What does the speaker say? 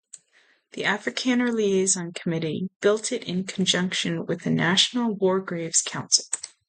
The Afrikaner Liaison Committee built it in conjunction with the National War Graves Council.